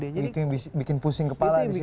itu yang bikin pusing kepala disitu ya